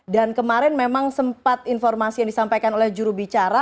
dan kemarin memang sempat informasi yang disampaikan oleh jurubicara